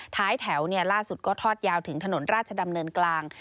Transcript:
ท้ายแถวล่าสุดก็ทอดยาวถึงถนนราชดำเนินกลาง